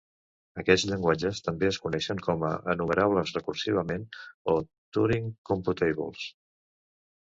Aquests llenguatges també es coneixen com a "enumerables recursivament" o "Turing-computables".